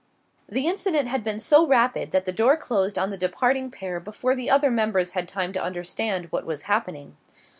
III The incident had been so rapid that the door closed on the departing pair before the other members had time to understand what was happening.